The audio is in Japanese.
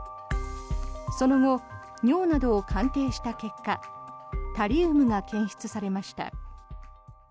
その後、尿などを鑑定した結果タリウムが検出されました。